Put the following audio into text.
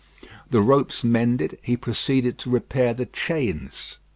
The ropes mended, he proceeded to repair the chains.